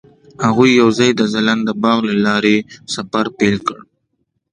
هغوی یوځای د ځلانده باغ له لارې سفر پیل کړ.